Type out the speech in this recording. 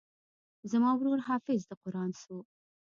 زما ورور حافظ د قران سو.